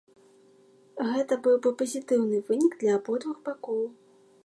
Гэта быў бы пазітыўны вынік для абодвух бакоў.